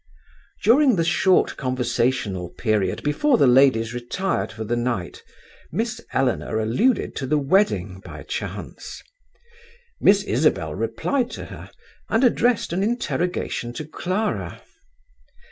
During the short conversational period before the ladies retired for the night, Miss Eleanor alluded to the wedding by chance. Miss Isabel replied to her, and addressed an interrogation to Clara.